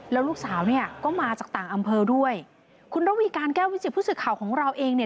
แล้วลูกสาวเนี่ยก็มาจากต่างอำเภอด้วยคุณระวีการแก้ววิจิตผู้สื่อข่าวของเราเองเนี่ย